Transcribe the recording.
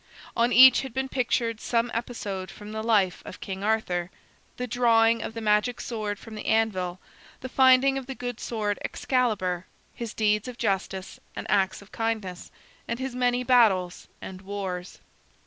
On each had been pictured some episode from the life of King Arthur; the drawing of the magic sword from the anvil, the finding of the good sword Excalibur, his deeds of justice and acts of kindness, and his many battles and wars.